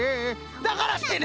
だからしてね。